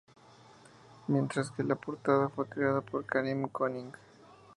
Mientras que la portada fue creada por Karim König.